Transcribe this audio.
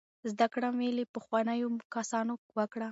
زده کړه مې له پخوانیو کسانو وکړه.